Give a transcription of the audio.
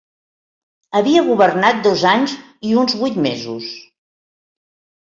Havia governat dos anys i uns vuit mesos.